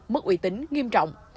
mất uy tín nghiêm trọng